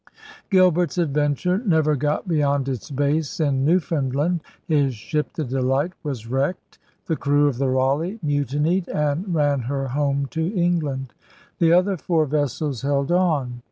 Gilbert's adventure never got beyond its base in Newfoundland. His ship the Delight was wrecked. The crew of the Raleigh mutinied and ran her home to England. The other four vessels held on.